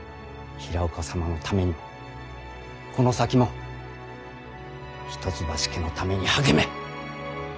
平岡様のためにもこの先も一橋家のために励め。